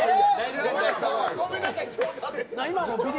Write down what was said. ごめんなさい、冗談です。